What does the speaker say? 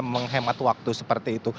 menghemat waktu seperti itu